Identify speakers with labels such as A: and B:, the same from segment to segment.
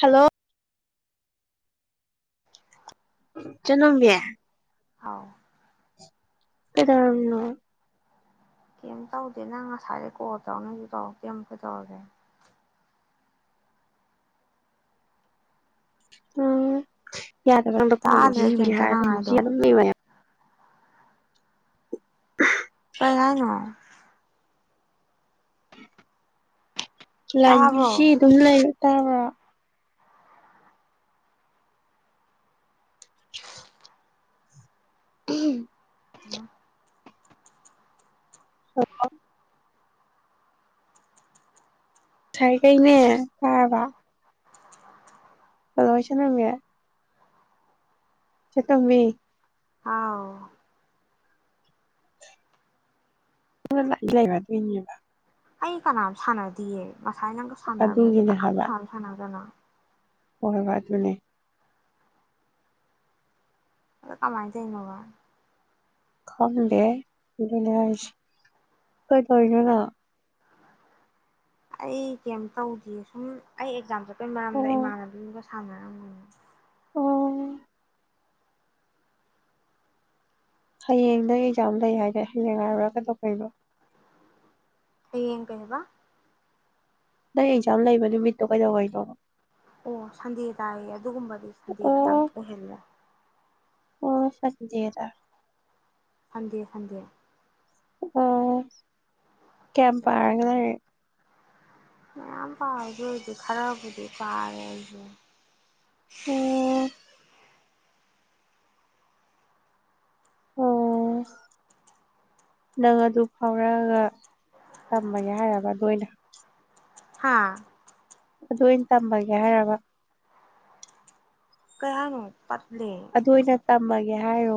A: hello ꯏꯆꯦ ꯇꯣꯝꯕꯤ
B: ꯍꯥꯎ
A: ꯀꯩꯗꯧꯔꯝꯃꯤꯅꯣ
B: ꯀꯩꯝ ꯇꯧꯗꯦ ꯅꯪ ꯉꯁꯥꯏꯗꯩ ꯀꯣꯜ ꯇꯧꯔꯛꯅꯦꯁꯨ ꯇꯧꯔꯛꯇꯦ ꯑꯃꯨꯛ ꯀꯩꯗꯧꯔꯒꯦ
A: ꯎꯝ ꯌꯥꯗꯕ ꯑꯝꯗ ꯀꯣꯍꯜꯂꯣ
B: ꯇꯥꯗ꯭ꯔꯦ
A: ꯁꯤꯖꯤꯕ꯭ꯔꯦ
B: ꯀꯩꯝꯇ
A: ꯍꯥꯏꯔ
B: ꯅꯪ ꯍꯥꯏꯗꯣ
A: ꯑꯗꯨꯝ ꯂꯩ ꯃꯌꯥꯝ
B: ꯀꯩ ꯍꯥꯏꯅꯣ
A: ꯂꯥꯏꯟ
B: ꯇꯥꯕ꯭ꯔꯣ
A: ꯕꯤꯖꯤ ꯑꯗꯨꯝ ꯂꯩ ꯇꯥꯕ꯭ꯔꯣ [unintelligible] ꯎꯝ
B: ꯎꯝ
A: ꯁ ꯉꯁꯥꯏꯒꯩ ꯇꯥꯔꯕ ꯍꯜꯂꯣ ꯏꯆꯦ ꯇꯣꯝꯕꯤ ꯏꯆꯦ ꯇꯣꯝꯕꯤ
B: ꯍꯥꯎ
A: ꯂ ꯂ ꯂꯩꯕ ꯇ ꯌꯦꯅꯤꯕ
B: ꯑꯩ ꯀꯅꯥꯝ ꯁꯅꯗꯤꯌꯦ ꯉꯁꯥꯏ ꯅꯪꯒ ꯁꯥꯟꯅꯔꯝꯃꯦ ꯑꯗꯨꯒ
A: ꯑꯗꯨꯒꯤꯅꯦ
B: ꯀꯅꯥꯝ ꯁꯥꯟꯖꯨ ꯁꯥꯟꯅꯗꯅ
A: ꯍ ꯍ ꯐꯥꯏ ꯑꯗꯨꯅꯤ
B: ꯑꯗꯣ ꯀꯃꯥꯏ ꯇꯧꯔꯤꯅꯣꯕ
A: ꯈꯪꯗꯦꯍꯦ ꯑꯗꯨꯅꯦ ꯍꯥꯏꯁꯦ
B: ꯑꯩ ꯀꯩꯝ ꯇꯧꯗꯤꯌꯦ ꯁꯨꯝ ꯑꯩ ꯑꯦꯛꯖꯥꯝ ꯆ ꯗꯨꯏ ꯃꯔꯝꯗ
A: ꯑꯣ
B: ꯏꯃꯥꯟꯅꯕꯤꯒ ꯁꯥꯅꯔꯝꯕꯅꯦ
A: ꯑꯣ ꯍꯌꯦꯡꯗꯣ ꯑꯦꯛꯖꯥꯝ ꯂꯩ ꯍꯥꯏꯗꯥꯏ ꯍꯌꯦꯡ ꯍꯥꯏꯔꯨꯔꯒ ꯀꯩꯗꯧ ꯀꯔꯤꯕꯣ
B: ꯍꯩꯌꯦꯡ ꯀꯩꯕ
A: ꯅꯪ ꯑꯦꯛꯖꯥꯝ ꯂꯩꯕ ꯅꯨꯃꯤꯠꯇꯣ ꯀꯩꯗꯉꯩꯅꯣꯕ
B: ꯑꯣ ꯁꯟꯗꯦ ꯇꯥꯏꯌꯦ ꯑꯗꯨꯒꯨꯝꯕꯗꯤ ꯁꯟꯗꯦ ꯈꯇꯪ
A: ꯑꯣ
B: ꯑꯣꯏꯍꯜꯂꯦ
A: ꯑꯣ ꯁꯟꯗꯦꯗ
B: ꯁꯟꯗꯦ ꯁꯟꯗꯦꯗ
A: ꯑꯣ ꯀꯌꯥꯝ ꯄꯥꯔꯒꯦ ꯂꯥꯏꯔꯤꯛ
B: ꯃꯌꯥꯝ ꯄꯥꯕꯗ ꯑꯣꯏꯗꯦ ꯈꯔꯕꯨꯗꯤ ꯄꯥꯔꯦ ꯑꯩꯁꯨ
A: ꯑꯣꯝ ꯑꯣ ꯅꯪ ꯑꯗꯨ ꯐꯥꯎꯔꯛꯑꯒ ꯇꯝꯃꯒꯦ ꯍꯥꯏꯔꯕ ꯑꯗꯨ ꯑꯣꯏꯅ
B: ꯍꯥꯥ
A: ꯑꯗꯨ ꯑꯣꯏꯅ ꯇꯃꯒꯦ ꯍꯥꯏꯔꯕ
B: ꯀꯥꯡꯉꯣ
A: ꯑꯗꯨ ꯑꯣꯏꯅ ꯇꯝꯃꯒꯦ ꯍꯥꯏꯣ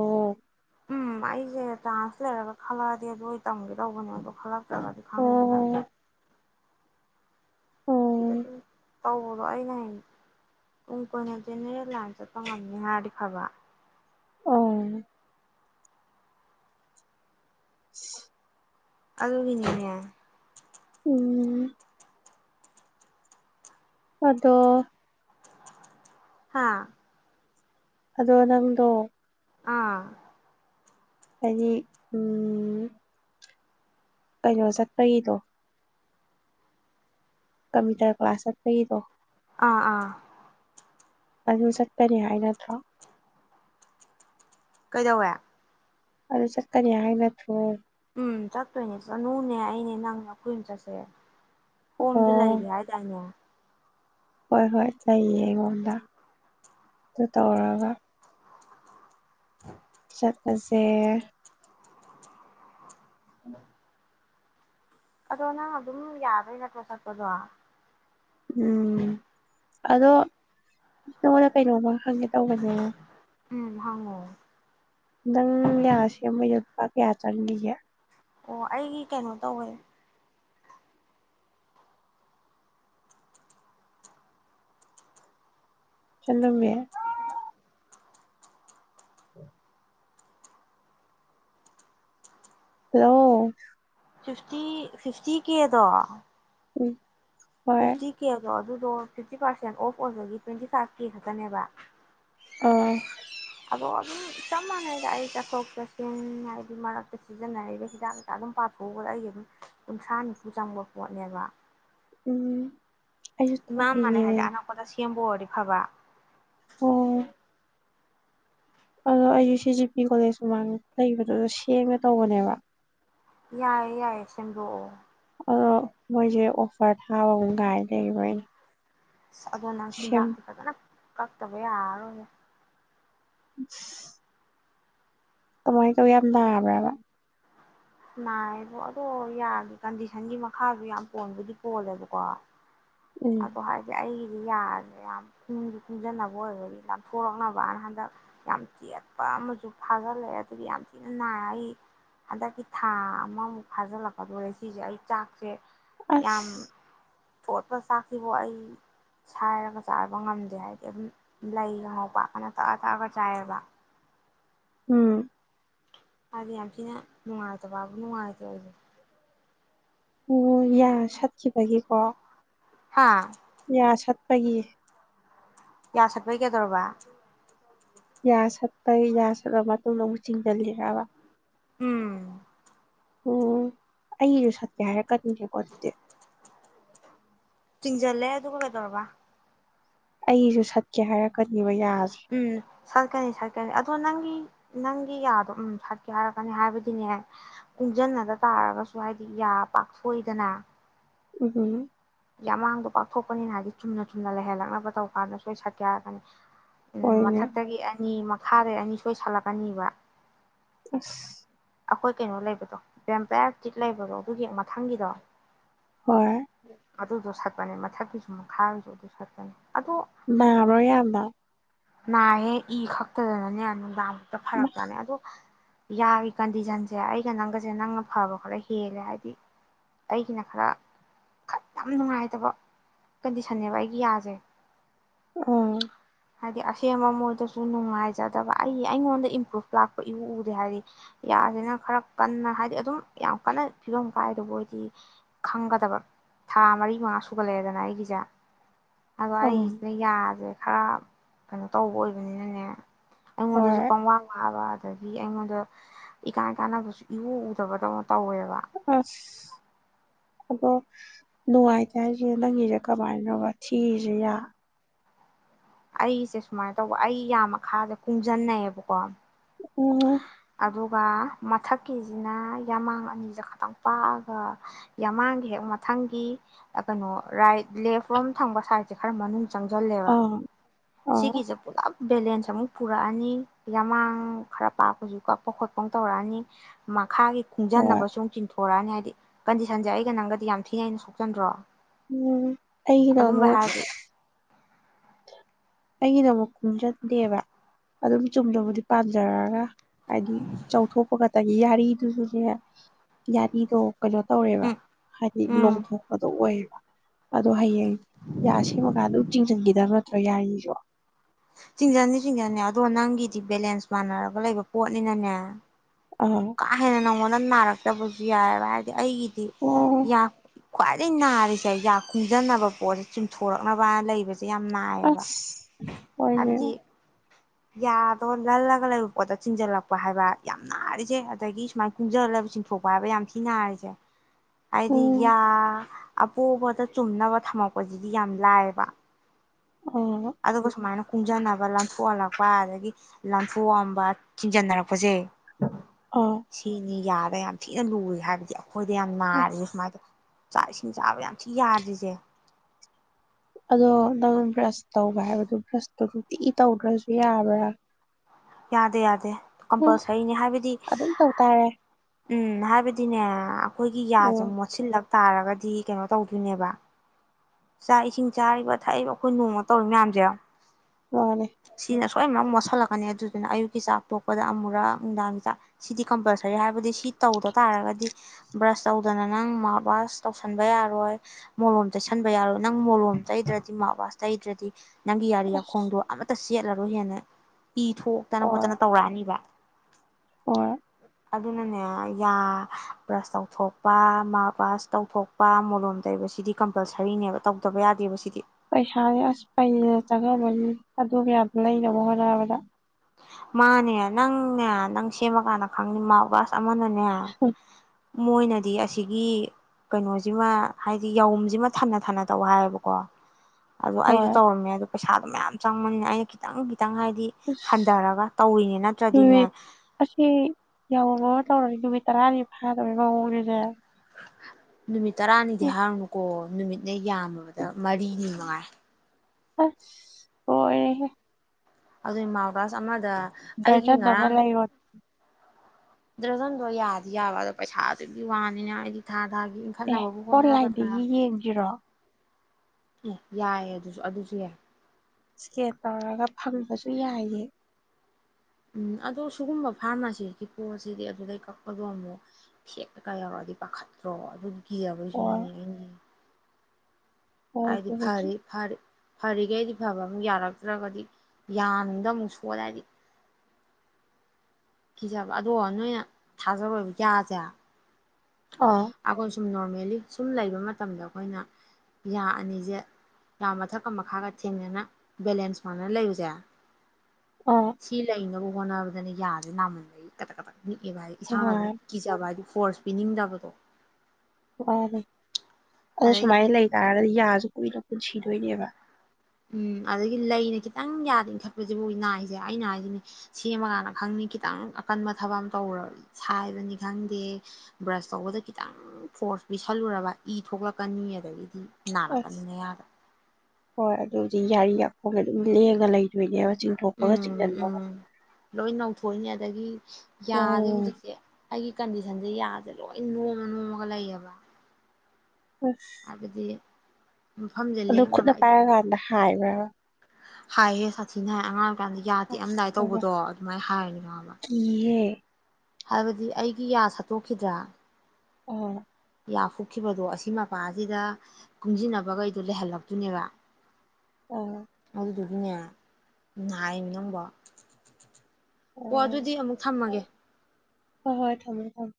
B: ꯎꯝ ꯑꯩꯁꯦ ꯆꯥꯟꯁ ꯂꯩꯔꯒ ꯈꯜꯂꯛꯑꯗꯤ ꯑꯗꯨ ꯇꯝꯒꯦ ꯇꯧꯕꯅꯦ ꯑꯗꯣ ꯊꯣꯛꯂꯛꯇ꯭ꯔꯒꯗꯤ ꯈꯪꯗꯦ
A: ꯑꯣ
B: ꯍꯥꯏꯇꯥꯔꯦ
A: ꯑꯣ
B: ꯁꯤꯗꯁꯨ ꯇꯧꯕꯔꯣ ꯑꯩꯅ ꯍ ꯇꯨꯡ ꯀꯣꯏꯅ ꯖꯦꯅꯦꯔꯦꯜ ꯂꯥꯏꯟ ꯆꯠꯄ ꯉꯝꯅꯤ ꯍꯥꯏꯔꯗꯤ ꯐꯕ
A: ꯑꯣ [unintelligible]
B: ꯑꯗꯨꯗꯒꯤꯅꯤ ꯍꯥꯏ
A: ꯎꯝ ꯑꯗꯣ
B: ꯍꯥꯥ
A: ꯑꯗꯣ ꯅꯪꯗꯣ
B: ꯑꯥ
A: ꯑꯅꯤ ꯎꯝ ꯀꯩꯅꯣ ꯆꯠꯄꯒꯤꯗꯣ ꯀꯝꯄ꯭ꯌꯨꯇꯔ ꯀ꯭ꯂꯥꯁꯇꯩꯗꯣ
B: ꯑꯥ ꯑꯥ
A: ꯑꯗꯨ ꯆꯠꯀꯅꯤ ꯍꯥꯏ ꯅꯠꯇ꯭ꯔꯣ
B: ꯀꯩꯗꯧꯋꯦ
A: ꯑꯗꯨ ꯆꯠꯀꯔ ꯌꯥꯏ ꯅ ꯊ
B: ꯎꯝ ꯆꯠꯇꯣꯏꯅꯦ ꯆꯅꯨꯅꯦ ꯑꯩꯅꯦ ꯅꯪ ꯑꯩꯈꯨꯏ ꯑꯃ ꯆꯠꯁꯦ
A: ꯑꯣ
B: ꯀꯣꯝꯁꯨ ꯂꯩꯒꯦ ꯍꯥꯏꯇꯥꯏꯅꯦ
A: ꯍꯣꯏ ꯍꯣꯏ ꯂꯩꯌꯦ ꯑꯩꯉꯣꯟꯗ ꯑꯗꯨ ꯇꯧꯔꯒ ꯆꯠꯄꯁꯦ
B: ꯑꯗꯣ ꯅꯪ ꯑꯗꯨꯝ ꯌꯥꯗꯣꯏ ꯅꯠꯇ꯭ꯔꯣ ꯁꯛꯄꯗꯣ
A: ꯎꯝ ꯑꯗꯣ ꯅꯣꯡꯅ ꯀꯩꯅꯣꯃ ꯈꯪꯉꯦ ꯇꯧꯕꯅꯦꯅꯦ
B: ꯎꯝ ꯍꯉꯣ
A: ꯅꯪ ꯂꯁꯤ ꯑꯃ ꯌꯠꯄꯥ ꯀꯌꯥ ꯆꯪꯉꯒꯦ
B: ꯑꯣ ꯑꯩꯒꯤ ꯀꯩꯅꯣ ꯇꯧꯋꯦ
A: ꯆꯂ ꯃꯌꯥ ꯎ ꯍꯜꯂꯣ
B: ꯐꯤꯐꯇꯤ ꯐꯤꯐꯇꯤ ꯀꯦꯗꯣ
A: ꯎꯝ ꯍꯣꯏ
B: ꯐꯤꯐꯇꯤ ꯀ ꯑꯗꯨ ꯑꯗꯣ ꯐꯤꯐꯇꯤ ꯄꯥꯔꯁꯦꯟ ꯑꯣꯐ ꯑꯣꯏꯕꯒꯤ ꯇ꯭ꯋꯦꯟꯇꯤ ꯐꯥꯏꯚ ꯀꯦ ꯈꯛꯇꯅꯦꯕ
A: ꯑ
B: ꯑꯗꯣ ꯑꯗꯨꯝ ꯆꯞ ꯃꯥꯟꯅꯩꯗ ꯑꯩ ꯆꯠꯊꯣꯛ ꯆꯠꯁꯤꯟ ꯍꯥꯏꯗꯤ ꯃꯔꯛꯇ ꯁꯤꯖꯤꯟꯅꯔꯤꯕ ꯍꯤꯗꯥꯛ ꯍꯛꯇ ꯑꯗꯨꯝ ꯄꯥꯊꯣꯛꯑꯒꯗ ꯑꯩꯒꯤ ꯑꯗꯨꯝ ꯀꯨꯟꯊ꯭ꯔꯥ ꯅꯤꯐꯨ ꯆꯪꯕ ꯄꯣꯠꯅꯦꯕ
A: ꯎꯝ ꯑꯩꯁꯨ
B: ꯏꯃꯅ ꯃꯅꯦ ꯍꯥꯏꯗꯤ
A: ꯊꯣꯛꯅꯤꯡꯉꯦ
B: ꯑꯅ ꯀꯗ ꯁꯤꯑꯕꯣ ꯐꯕ
A: ꯑꯣ ꯑꯗꯣ ꯑꯩꯁꯨ ꯁꯤ ꯖꯤ ꯄꯤ ꯀꯣꯂꯦꯖ ꯃꯨꯃꯥꯡ ꯂꯩꯕꯗꯨꯗ ꯁꯦꯡꯅ ꯇꯧꯕꯅꯦꯕ
B: ꯌꯥꯏꯌꯦ ꯌꯥꯏꯌꯦ ꯁꯦꯝꯗꯣꯛꯑꯣ
A: ꯑꯗꯣ ꯃꯣꯏꯁꯦ ꯑꯣꯐꯔ ꯊꯥꯕ ꯑꯃ ꯀꯥꯏ ꯂꯩꯕꯣꯏꯅꯦ
B: ꯑꯁ ꯑꯗꯣ ꯅꯪ ꯆꯤꯟꯖꯥꯛꯇꯤ ꯐꯖꯅꯥ ꯀꯛꯇꯕ ꯌꯥꯔꯔꯣꯏꯅꯦ
A: [inaudible] ꯇꯃꯥꯏ ꯀ ꯌꯥꯝ ꯕ꯭ꯔꯦꯕ
B: ꯅꯥꯏꯕꯣ ꯑꯗꯣ ꯌꯥꯒꯦ ꯀꯟꯗꯤꯁꯟꯒꯤ ꯃꯈꯥꯁꯨ ꯌꯥꯝ ꯄꯣꯟꯕꯗꯤ ꯄꯣꯜꯂꯦꯕꯀꯣ
A: ꯎꯝ
B: ꯑꯗꯣ ꯍꯥꯏꯦ ꯑꯩꯒꯤ ꯌꯥꯔ꯭ꯔꯦ ꯌꯥꯝꯨꯡꯁꯨ ꯀꯨꯡꯖꯟꯅꯕ ꯑꯣꯏꯔꯗꯤ ꯂꯥꯝꯊꯣꯔꯛꯅꯕꯅ ꯍꯟꯗꯛ ꯌꯥꯝ ꯆꯦꯠꯄ ꯑꯃꯁꯨ ꯐꯥꯖꯤꯜꯂꯛꯑꯦ ꯑꯗꯨꯒꯤ ꯌꯥꯝ ꯊꯤꯅ ꯅꯥꯏꯔꯦ ꯑꯩ ꯍꯟꯗꯛꯀꯤ ꯊꯥ ꯑꯃꯃꯨꯛ ꯐꯥꯖꯤꯜꯂꯛꯀꯗꯔꯦ ꯁꯤꯁꯦ ꯑꯩ ꯆꯥꯛꯁꯦ
A: ꯑ
B: ꯐꯣꯠ ꯑ ꯆꯥꯛꯁꯤꯕꯨ ꯑꯩ ꯁꯥꯏꯔꯒ ꯆꯥꯏꯕ ꯉꯝꯗꯦ ꯍꯥꯏꯗꯤ ꯑꯗꯨꯝ ꯂꯩ ꯉꯉꯧꯧꯕ ꯀꯅ ꯇꯛꯑ ꯇꯛꯑꯒ ꯆꯥꯏꯑꯕ
A: ꯎꯝ
B: ꯑꯗꯨꯗꯤ ꯌꯥꯝ ꯊꯤꯅ ꯅꯨꯡꯉꯥꯏꯇ ꯕꯥꯕ ꯅꯨꯡꯉꯥꯏꯇ ꯑꯗꯨꯗꯤ
A: ꯑꯣ ꯌꯥ ꯆꯠꯈꯤꯕꯒꯤꯀꯣ
B: ꯍꯥꯥ
A: ꯌꯥꯁꯠꯄꯒꯤ
B: ꯌꯥ ꯁꯠꯄꯩ ꯀꯩꯗꯧꯔꯕ
A: ꯌꯥ ꯁꯠꯄꯩ ꯌꯥ ꯁꯠꯂ ꯃꯇꯨꯡꯗ ꯃꯨꯛ ꯆꯤꯡꯖꯟꯂꯤꯔꯕ
B: ꯎꯝ
A: ꯎꯝ ꯑꯩꯒꯤꯖꯨ ꯁꯠꯀꯦ ꯍꯥꯏꯔꯛꯀꯅꯤꯅꯦꯀꯣ ꯑꯗꯨꯗꯤ
B: ꯆꯤꯡꯖꯜꯂꯦ ꯑꯗꯨꯒ ꯀꯩꯗꯧꯔꯕ
A: ꯑꯩꯒꯤꯖꯨ ꯁꯠꯀꯦ ꯍꯥꯏꯔꯛꯀꯅꯤꯕ ꯌꯥ
B: ꯎꯝ ꯁꯠꯀꯅꯤ ꯁꯠꯀꯅꯤ ꯑꯗꯣ ꯅꯪꯒꯤ ꯅꯪꯒꯤ ꯌꯥꯗꯣ ꯎꯝ ꯁꯠꯀꯦ ꯍꯥꯏꯔꯛꯀꯅꯤ ꯍꯥꯏꯕꯗꯤꯅꯦ ꯀꯨꯡꯖꯟꯅꯔ ꯇꯥꯔꯒꯁꯨ ꯍꯥꯏꯗꯤ ꯌꯥ ꯄꯥꯛꯊꯣꯛꯏꯗꯅ
A: ꯎꯝ ꯎꯝ
B: ꯌꯥꯝꯃꯥꯡꯗꯣ ꯄꯥꯛꯊꯣꯛꯄꯅꯤꯅ ꯍꯥꯏꯗꯤ ꯆꯨꯝꯅ ꯆꯨꯝꯅ ꯂꯩꯍꯜꯂꯛꯅꯕ ꯇꯧ ꯀꯥꯟꯗ ꯁꯣꯏ ꯁꯠꯀꯦ ꯍꯥꯏꯔꯛꯀꯅꯤ ꯎꯝ
A: ꯍꯣꯏꯅꯦ
B: ꯃꯊꯛꯇꯒꯤ ꯑꯅꯤ ꯃ ꯃꯈꯥꯗꯩꯩ ꯑꯅꯤ ꯁꯣꯏ ꯁꯜꯂꯛꯀꯅꯤꯕ
A: ꯏꯁ
B: ꯑꯩꯈꯣꯏ ꯀꯩꯅꯣ ꯂꯩꯕꯗꯣ ꯕꯦꯝꯄꯥꯌꯔ ꯇꯤꯠ ꯂꯩꯕꯗꯣ ꯑꯗꯨꯒꯤ ꯍꯦꯛ ꯃꯊꯪꯒꯤꯗꯣ
A: ꯍꯣꯏ
B: ꯑꯗꯨꯗꯣ ꯁꯛꯄꯅꯦ ꯃꯊꯛꯀꯤꯁꯨ ꯃꯈꯥꯝꯁꯨ ꯑꯗꯨ ꯁꯠꯄꯅꯦ ꯑꯗꯨ
A: ꯑꯃ ꯌꯥꯝꯗ
B: ꯅꯑꯦ ꯌꯦꯒ ꯍꯥꯛꯇꯗꯅꯅꯦꯅꯗꯥ ꯐꯔꯛ ꯂꯥꯅꯦꯦ ꯑꯗꯨꯗꯣ ꯌꯥꯒ ꯀꯟꯗꯤꯁꯟꯁꯦ ꯑꯩꯒ ꯅꯪꯒꯁꯦ ꯅꯪꯅ ꯐꯕ ꯈꯔ ꯍꯦꯜꯂꯦ ꯍꯥꯏꯗꯤ ꯑꯩꯒꯤꯅ ꯈꯔ ꯌꯥꯝ ꯅꯨꯡꯉꯥꯏꯇꯕ ꯀꯟꯗꯤꯁꯟꯅꯦꯕ ꯑꯩꯒꯤ ꯌꯥꯁꯦ
A: ꯑ
B: ꯍꯥꯏꯗꯤ ꯑꯁꯦꯡꯕ ꯃꯣꯏꯗꯁꯨ ꯅꯨꯡꯉꯥꯏꯖꯗꯕ ꯑꯩ ꯑꯩꯉꯣꯟꯗ ꯏꯝꯄ꯭ꯔꯨꯚ ꯂꯥꯛꯄ ꯏꯎ ꯎꯗꯦ ꯍꯥꯏꯗꯤ ꯌꯥꯁꯤꯅ ꯈꯔ ꯀꯟꯅ ꯍꯥꯏꯗꯤ ꯑꯗꯨꯝ ꯌꯥꯝ ꯀꯟꯅ ꯐꯤꯕꯝ ꯀꯥꯏꯗꯕꯁꯨ ꯑꯣꯏꯗꯤ ꯈꯪꯒꯗꯕ ꯊꯥ ꯃꯔꯤ ꯃꯉꯥ ꯁꯨꯖꯜꯂꯛꯑꯦꯗꯅ ꯑꯩꯒꯤꯁꯦ ꯑꯗꯣ
A: ꯑꯥ
B: ꯑꯩꯁꯤꯗꯤ ꯌꯥꯁꯦ ꯈꯔ ꯀꯩꯅꯣ ꯇꯧꯕ ꯑꯣꯏꯕꯅꯤꯅꯅꯦ ꯑꯩꯉꯣꯟꯗꯁꯨ
A: ꯍꯣꯏ
B: ꯄꯪꯋꯥ ꯋꯥꯕ ꯑꯗꯒꯤ ꯑꯩꯉꯣꯟꯗ ꯏꯀꯥꯟ ꯀꯥꯟꯅꯕꯁꯨ ꯏꯎ ꯎꯗꯕꯗꯧ
A: ꯎꯝ ꯑꯗꯣ ꯅꯨꯡꯉꯥꯏꯇꯦ ꯍꯥꯏꯁꯦ ꯅꯪꯒꯤꯁꯦ ꯀꯃꯥꯏꯅꯣꯕ ꯊꯤꯔꯤꯁꯦ ꯌꯥ
B: ꯑꯩꯁꯦ ꯁꯨꯃꯥꯏꯅ ꯇꯧꯕ ꯑꯩ ꯌꯥꯝ ꯃꯈꯥꯥꯁꯦ ꯀꯨꯡꯁꯤꯟꯅꯩꯌꯦꯕꯀꯣ
A: ꯎꯝ
B: ꯑꯗꯨꯒ ꯃꯊꯛꯀꯤꯁꯤꯅ ꯌꯥꯃꯥꯡ ꯑꯅꯤꯁꯦ ꯈꯇꯪ ꯄꯥꯛꯑꯒ ꯌꯥꯃꯥꯡꯒꯤ ꯍꯦꯛ ꯃꯊꯪꯒꯤ ꯀꯩꯅꯣ ꯔꯥꯏꯠ ꯂꯦꯐ ꯔꯣꯝ ꯊꯪꯕ ꯁꯥꯏꯠꯁꯦ ꯈꯔ ꯃꯅꯨꯡꯗ ꯆꯪꯁꯤꯜꯂꯦꯕ
A: ꯑꯥ ꯑꯥ
B: ꯁꯤꯒꯤꯁꯦ ꯄꯨꯂꯞ ꯕꯦꯂꯦꯟꯁ ꯑꯃꯨꯛ ꯄꯨꯔꯛꯑꯅꯤ ꯌꯥꯃꯥꯡ ꯈꯔ ꯄꯥꯛꯄꯁꯨ ꯀꯛꯄ ꯈꯣꯠꯄ ꯇꯧꯔꯛꯑꯅꯤ ꯃꯈꯥꯒꯤ
A: ꯍꯣꯏ
B: ꯀꯨꯡꯖꯟꯅꯕ ꯈꯣꯡꯖꯟꯅꯕꯁꯦ ꯆꯤꯟꯊꯣꯛ ꯄꯣꯔꯛꯑꯅꯤ ꯍꯥꯏꯗꯤ ꯀꯟꯗꯤꯁꯟꯁꯦ ꯑꯩꯒ ꯅꯪꯒꯗꯤ ꯌꯥꯝ ꯊꯤꯅ ꯑꯩꯅ ꯁꯣꯛꯆꯟꯗ꯭ꯔꯣ
A: ꯎꯝ ꯑꯩꯒꯤꯅ
B: ꯑꯗꯨꯝꯕ
A: ꯑꯃꯨꯛ
B: ꯍꯥꯏꯔꯗꯤ
A: ꯑꯩꯒꯤꯅ ꯑꯃꯨꯛ ꯀꯨꯟꯖꯟꯗꯦꯕ ꯑꯗꯨꯝ ꯆꯨꯝꯗꯕꯨꯗꯤ ꯄꯥꯟꯖꯔꯒ ꯍꯥꯏꯗꯤ ꯆꯥꯎꯊꯣꯛꯄꯒ ꯑꯗꯒꯤ ꯌꯥꯔꯤꯗꯨꯁꯨꯅꯦ ꯌꯥꯔꯤꯗꯣ ꯀꯩꯅꯣ ꯇꯧꯔꯦꯕ
B: ꯎꯝ
A: ꯍꯥꯏꯗꯤ
B: ꯎꯝ
A: ꯂꯣꯟꯊꯣꯛꯄꯗꯣ ꯑꯣꯏꯌꯦꯕ ꯑꯗꯣ ꯍꯌꯦꯡ ꯌꯥ ꯁꯦꯝꯃꯀꯥꯟꯗ ꯆꯤꯡꯁꯤꯟꯈꯤꯗꯕ ꯅꯠꯇ꯭ꯔꯣ ꯌꯥꯔꯤꯁꯦ [inaudible]
B: ꯆꯤꯡꯖꯟꯅꯤ ꯆꯤꯡꯖꯅꯤ ꯑꯗꯣ ꯅꯪꯒꯤ ꯗꯤ ꯕꯦꯂꯦꯟꯁ ꯃꯥꯟꯅꯔꯒ ꯂꯩꯕ ꯄꯣꯠꯅꯤꯅꯅꯦ
A: ꯑꯥ
B: ꯀꯥ ꯍꯦꯟꯅ ꯅꯪꯉꯣꯟꯗ ꯃꯔꯛ ꯑꯕꯁꯨ ꯌꯥꯏꯑꯦꯕ ꯑꯩꯒꯤꯗꯤ
A: ꯑꯣ
B: ꯌꯥ ꯈ꯭ꯋꯥꯏꯗꯒꯤ ꯅꯥꯔꯤꯁꯦ ꯌꯥ ꯈꯨꯡꯖꯤꯟꯅꯕ ꯄꯣꯠꯁꯦ ꯆꯨꯝꯊꯣꯔꯛꯅꯕ ꯂꯩꯕꯁꯦ ꯌꯥꯝ ꯅꯥꯏꯌꯦꯕ
A: ꯑꯁ ꯑꯣꯏꯗꯤ
B: ꯍꯥꯏꯕꯗꯤ ꯌꯥꯗꯣ ꯂꯜꯂꯒ ꯂꯩꯕ ꯄꯣꯠꯠꯇ ꯆꯤꯡꯖꯜꯂꯛꯄ ꯍꯥꯏꯕ ꯌꯥꯝ ꯅꯥꯔꯤꯁꯦ ꯑꯗꯒꯤ ꯁꯨꯃꯥꯏꯅ ꯀꯨꯝꯖꯜꯂꯕ ꯆꯤꯡꯊꯣꯛꯄ ꯍꯥꯏꯕ ꯌꯥꯝ ꯊꯤ ꯅꯥꯔꯤꯁꯦ ꯑꯩꯗꯤ
A: ꯎꯝ
B: ꯌꯥ ꯑꯄꯣꯕꯗ ꯆꯨꯝꯅꯕ ꯊꯝꯃꯛꯄꯁꯤꯗꯤ ꯌꯥꯝ ꯅꯥꯏꯑꯦꯕ
A: ꯑꯥ
B: ꯑꯗꯨꯒꯁ ꯁꯨꯃꯥꯏꯅ ꯀꯨꯡꯖꯟꯅꯕ ꯂꯥꯟꯊꯣꯛꯍꯜꯂꯛꯄ ꯑꯗꯒꯤ ꯂꯥꯟꯊꯣꯛꯑꯝꯕ ꯊꯤꯡꯖꯤꯟꯅꯔꯛꯄꯁꯦ
A: ꯑꯥ
B: ꯁꯤꯅꯤ ꯌꯥ ꯌꯥꯝ ꯊꯤꯅ ꯂꯨꯏ ꯍꯥꯏꯕꯗꯤ ꯈꯣꯏꯗꯤ ꯌꯥꯝ ꯅꯥꯔꯤ
A: ꯑꯁ
B: ꯁꯨꯃꯥꯏꯅ ꯇꯧ ꯆꯥꯛ ꯏꯁꯤꯡ ꯆꯥꯕ ꯌꯥꯝ ꯊꯤ ꯌꯥꯗ꯭ꯔꯤꯁꯦ
A: ꯑꯗꯣ ꯅꯪ ꯕ꯭ꯔꯁ ꯇꯧꯕ ꯍꯥꯏꯕꯗꯨ ꯕ꯭ꯔꯁꯇꯨ ꯅꯨꯡꯇꯤꯒꯤ ꯇꯧꯗ꯭ꯔꯁꯨ ꯌꯥꯔꯣꯏ ꯍꯥꯏ
B: ꯌꯥꯗꯦ ꯌꯥꯗꯦ
A: ꯎꯝ
B: ꯀꯝꯄꯜꯁꯔꯤꯅꯦ ꯍꯥꯏꯕꯗꯤ
A: ꯑꯗꯨꯝ ꯇꯧ ꯇꯥꯔꯦ
B: ꯎꯝ ꯍꯥꯏꯕꯗꯤꯅꯦ ꯑꯩꯈꯣꯏꯒꯤ ꯌꯥꯁꯦ
A: ꯎꯝ
B: ꯃꯣꯠꯁꯤꯜꯂꯛ ꯇꯥꯔꯒꯗꯤ ꯀꯩꯅꯣ ꯇꯧꯗꯣꯏꯅꯦꯕ ꯆꯥꯛ ꯏꯁꯤꯡ ꯆꯥꯔꯤꯕ ꯊꯛꯏꯕ ꯑꯩꯈꯣꯏ ꯅꯣꯡꯃ ꯇꯧꯔꯤ ꯃꯌꯥꯝꯁꯦ
A: ꯃꯥꯅꯦ
B: ꯂꯣꯏꯅꯃꯛ ꯃꯣꯠꯁꯤꯜꯂꯛꯀꯅꯤ ꯑꯗꯨꯗꯨꯅ ꯑꯌꯨꯛꯀꯤ ꯆꯥꯛ ꯇꯣꯛꯄꯗ ꯑꯃꯨꯔꯛ ꯅꯨꯡꯗꯥꯡ ꯆꯥꯛ ꯁꯤꯗꯤ ꯀꯝꯄꯜꯁꯔꯤ ꯍꯥꯏꯕꯗꯤ ꯁꯤ ꯇꯧꯗ ꯇꯥꯔꯒꯗꯤ ꯕ꯭ꯔꯁ ꯇꯧꯗꯅ ꯅꯪ ꯃꯥꯎꯠ ꯋꯥꯁ ꯇꯧꯁꯟꯕ ꯌꯥꯔꯣꯏ ꯃꯣꯂꯣꯝ ꯇꯩꯁ ꯈꯟꯕ ꯌꯥꯔꯣꯏ ꯅꯪ ꯃꯣꯂꯣꯝ ꯇꯩꯗ꯭ꯔꯗꯤ ꯃꯥꯥꯎꯠ ꯋꯥꯁ ꯇꯩꯗ꯭ꯔꯗꯤ ꯅꯪꯒꯤ ꯌꯥꯔꯤ
A: ꯑꯁ
B: ꯌꯥꯈꯣꯡꯗꯣ ꯑꯃꯠꯇ ꯆꯦꯠꯂꯔꯣꯏ ꯍꯦꯟꯅ ꯏ ꯊꯣꯛꯇꯅ
A: ꯍꯣꯏ
B: ꯈꯣꯠꯇꯅ ꯇꯧꯔꯛꯑꯅꯤꯕ
A: ꯍꯣꯏ
B: ꯑꯗꯨꯅꯅꯦ ꯌꯥ ꯕ꯭ꯔꯁ ꯇꯧꯊꯣꯛꯄ ꯃꯥꯎꯠ ꯋꯥꯁ ꯇꯧꯊꯣꯛꯄ ꯃꯣꯂꯣꯝ ꯇꯩꯕꯁꯤꯗꯤ ꯀꯝ ꯄꯜꯁꯔꯤꯅꯦꯕ ꯇꯧꯗꯕ ꯌꯥꯗꯦꯕ ꯁꯤꯗꯤ
A: ꯄꯩꯁꯥꯥꯗꯤ ꯑꯥꯁ ꯄꯩꯅ ꯆꯪꯉꯝꯃꯅꯤ ꯑꯗꯨꯃꯌꯥꯝ ꯂꯩꯅꯕ ꯍꯣꯠꯅꯕꯗ
B: ꯃꯥꯅꯦ ꯅꯪꯅꯦ ꯅꯪ ꯁꯦꯝꯃꯀꯥꯟꯗ ꯈꯪꯅꯤ ꯃꯥꯎꯠ ꯋꯥꯁ ꯑꯃꯅꯅꯦ [unintelligible] ꯃꯣꯏꯅꯗꯤ ꯑꯁꯤꯒꯤ ꯀꯩꯅꯣꯁꯤꯃ ꯍꯥꯏꯗꯤ ꯌꯥꯎꯨꯝꯁꯤꯃ ꯊꯟꯅ ꯊꯟꯅ ꯇꯧ ꯍꯥꯏꯌꯦꯕꯀꯣ ꯑꯗꯣ ꯑꯩꯁꯨ
A: ꯍꯣꯏ
B: ꯇꯧꯔꯝꯃꯦ ꯑꯗꯨꯝ ꯄꯩꯁꯥꯗꯣ ꯃꯌꯥꯝ ꯆꯪꯕꯅꯤꯅ ꯑꯩꯅ ꯈꯤꯇꯪ ꯈꯤꯇꯪ ꯍꯥꯏꯗꯤ
A: ꯑꯁ
B: ꯍꯟꯊꯔꯒ ꯇꯧꯔꯤꯅꯦ ꯅꯠꯇ꯭ꯔꯗꯤꯅꯦ
A: ꯅꯨꯃꯤꯠ ꯑꯁꯤ ꯌꯥꯎꯕ ꯑꯃ ꯇꯧꯔꯗꯤ ꯅꯨꯃꯤꯠ ꯇꯔꯥꯅꯤ ꯐꯥꯗꯣꯕꯩ ꯃꯑꯣꯡꯅꯤꯅꯦ
B: ꯅꯨꯃꯤꯠ ꯇꯔꯥꯅꯤꯗꯤ
A: ꯑꯦ
B: ꯍꯥꯏꯔꯨꯅꯨꯀꯣ ꯅꯨꯃꯤꯠ ꯅꯩ ꯌꯥꯝꯃꯕꯗ ꯃꯔꯤꯅꯤ ꯅꯉꯥꯏ
A: ꯑꯁ ꯂꯣꯏꯔꯦꯍꯦ
B: ꯑꯗꯨꯅꯤ ꯃꯥꯎꯠ ꯋꯥꯁ ꯑꯃ ꯑꯗ ꯑꯩꯒꯤ
A: ꯗꯔꯖꯟ ꯑꯃ
B: ꯉꯔꯥꯡ
A: ꯂꯩꯔꯣ
B: ꯗ꯭ꯔꯖꯟꯗꯣ ꯌꯥꯗꯤ ꯌꯥꯕꯗꯣ ꯄꯩꯁꯥ ꯑꯗꯨꯗꯤ ꯋꯥꯅꯤꯅ ꯍꯥꯏ ꯑꯩꯗꯤ ꯊꯥ ꯊꯥꯒꯤ
A: ꯑꯦ
B: ꯏꯟꯈꯠꯅꯕꯕꯨ
A: ꯑꯣꯟꯂꯥꯏꯟꯗꯒꯤ
B: ꯍꯣꯠꯅꯒꯗ꯭ꯔꯥ
A: ꯌꯦꯡꯗꯔꯣ
B: ꯑꯣ ꯌꯥꯏꯌꯦ ꯑꯗꯨꯁꯨ ꯑꯗꯨꯁꯨ ꯌꯥꯏ
A: ꯏꯁꯀꯦꯟ ꯇꯧꯔꯒ ꯐꯪꯕꯁꯨ ꯌꯥꯏꯌꯦ
B: ꯎꯝ ꯑꯗꯣ ꯁꯤꯨꯒꯨꯝꯕ ꯐꯥꯔꯃꯥꯁꯤꯀꯤ ꯄꯣꯠꯁꯤꯗꯤ ꯑꯗꯨꯗꯩ ꯀꯛꯄꯗꯣ ꯑꯃꯨꯛ ꯊꯦꯛꯇ ꯀ ꯌꯥꯎꯔꯛꯗꯤ ꯄꯥꯈꯠꯇ꯭ꯔꯣ ꯑꯗꯨꯒꯤ
A: ꯍꯣꯏ
B: ꯀꯌꯥꯕꯁꯨꯅꯤ
A: ꯍꯣꯏ
B: ꯍꯥꯏꯗꯤ
A: ꯑꯗꯨꯕꯨꯗꯤ
B: ꯐꯔꯦ ꯐꯔꯦ ꯐꯔꯤꯈꯩꯗꯤ ꯐꯕ ꯑꯃꯨꯛ ꯌꯥꯔꯛꯇ꯭ꯔꯒꯗꯤ ꯌꯥꯅꯨꯡꯗ ꯑꯃꯨꯛ ꯁꯣꯜꯂꯦ ꯍꯥꯏꯗꯤ ꯀꯤꯖꯕ ꯑꯗꯣ ꯅꯣꯏ ꯊꯥꯖꯔꯣꯏꯕ ꯌꯥꯁꯦ
A: ꯑꯥ
B: ꯑꯩꯈꯣꯏ ꯁꯨꯝ ꯅꯣꯔꯃꯦꯜꯂꯤ ꯁꯨꯝ ꯂꯩꯕ ꯃꯇꯝꯗ ꯑꯩꯈꯣꯏꯅ ꯌꯥ ꯑꯅꯤꯁꯦ ꯌꯥ ꯃꯊꯛꯀ ꯃꯈꯥꯒ ꯊꯦꯡꯅꯅ ꯕꯦꯂꯦꯟꯁ ꯃꯥꯟꯅ ꯂꯩꯕꯨꯁꯦ
A: ꯑꯥ
B: ꯁꯤ ꯂꯩ ꯏꯅꯕꯨ ꯍꯣꯠꯅꯕꯗꯅ ꯌꯥꯗꯦ ꯅꯥꯃꯟꯕꯩ ꯇꯪ ꯅꯤꯛꯑꯦꯕ ꯍꯥꯏꯗꯤ
A: ꯍꯣꯏ
B: ꯏꯁꯥꯅ ꯑꯗꯨꯝ
A: ꯃꯥꯅꯦ
B: ꯀꯤꯖꯕ ꯍꯥꯏꯗꯤ ꯐꯣꯔꯁ ꯄꯤꯅꯤꯡꯗꯕꯗꯣ
A: ꯑꯣꯏꯔ ꯑꯗꯨ
B: ꯑꯗꯒꯤ
A: ꯁꯃꯏ ꯂꯩ ꯇꯥꯔ ꯌꯥꯖ ꯑꯣꯔ ꯄꯨꯟꯁꯤꯗꯣꯏꯅꯦꯕ
B: ꯎꯝ ꯑꯗꯒꯤ ꯂꯩꯅ ꯈꯤꯇꯪ ꯌꯥꯗꯦꯅ ꯈꯠꯄꯁꯤꯕꯨꯥꯎ ꯅꯥꯏꯁꯦ ꯑꯩꯅꯅꯥ ꯍꯥꯏꯁꯤꯅꯦ ꯁꯦꯝꯃꯀꯥꯟꯗ ꯈꯪꯅꯤ ꯈꯤꯇꯪ ꯑꯀꯟꯕ ꯊꯕꯛ ꯑꯃ ꯇꯧꯔꯔꯕ ꯁꯥꯏꯕꯅꯤ ꯈꯪꯗꯦ ꯕ꯭ꯔꯁ ꯇꯧꯕꯗ ꯈꯤꯇꯪ ꯐꯣꯔꯁ ꯄꯤꯁꯜꯂꯨꯔꯕ ꯏ ꯊꯣꯛꯂꯛꯀꯅꯤ ꯑꯗꯒꯤꯗꯤ
A: ꯑꯁ
B: ꯅꯔꯛꯀꯅꯤ ꯅꯌꯥꯗꯣ
A: ꯍꯣꯏ ꯑꯗꯨ ꯍꯧꯖꯤꯗꯤ ꯌꯥꯔꯤ ꯌꯥꯈꯣꯡꯒ ꯑꯗꯨꯝ ꯂꯦꯡꯉ ꯂꯩꯗꯣꯏꯅꯦꯕ ꯆꯤꯡꯊꯣꯛꯄꯒ
B: ꯎꯝ
A: ꯆꯤꯡꯁꯤꯟꯕ
B: ꯎꯝ ꯂꯣꯏ ꯅꯧꯊꯣꯛꯏꯅꯦ ꯑꯗꯒꯤ ꯌꯥꯗ ꯍꯧꯖꯤꯛꯁꯦ ꯑꯩꯒꯤ ꯀꯟꯗꯤꯁꯟꯁꯦ ꯌꯥ ꯗꯦ ꯂꯣꯏ ꯅꯣꯝꯃ ꯅꯣꯝꯃꯒ ꯂꯩꯌꯦꯕ
A: ꯑꯁ
B: ꯑꯗꯨꯗꯤ
A: ꯑꯗꯨ ꯈꯨꯠꯅ ꯄꯥꯏꯔꯀꯥꯟꯗ ꯍꯥꯏꯕ꯭ꯔꯥꯕ [unintelligible]
B: ꯍꯥꯏꯍꯦ ꯁꯥꯊꯤꯅ ꯍꯥꯏ ꯑꯥꯡ ꯍꯥꯏ ꯀꯥꯟꯗ ꯌꯥꯗꯤ ꯌꯥꯝ ꯅꯥꯏ
A: ꯑꯁ
B: ꯇꯧꯕꯗꯣ ꯑꯗꯨꯃꯥꯏꯅ ꯍꯥꯏꯔꯅꯤꯕ
A: ꯀꯤꯌꯦ
B: ꯍꯥꯏꯕꯗꯤ ꯑꯩꯒꯤ ꯌꯥ ꯁꯠꯇꯣꯛꯈꯤꯗ꯭ꯔꯥ
A: ꯑ
B: ꯌ ꯐꯨꯈꯤꯕꯗꯣ ꯑꯁꯤ ꯃꯄꯥꯁꯤꯗ ꯀꯨꯡꯁꯤꯟꯅꯕꯒꯩꯗꯣ ꯂꯩꯍꯜꯂꯛꯇꯣꯏꯅꯦꯕ
A: ꯑꯥ
B: ꯑꯗꯨ ꯑꯗꯨ ꯅꯥꯏ ꯑꯦꯝꯃꯤ ꯅꯪꯕꯣ ꯑꯣ
A: ꯑꯥ
B: ꯑꯗꯨꯗꯤ ꯑꯃꯨꯛ ꯊꯝꯃꯒꯦ
A: ꯍꯣꯏ ꯍꯣꯏ ꯊꯝꯃꯦ ꯊꯝꯃꯃꯦ